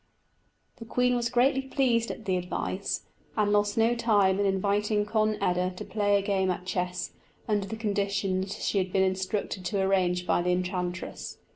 The queen was greatly pleased at the advice, and lost no time in inviting Conn eda to play a game at chess, under the conditions she had been instructed to arrange by the enchantress.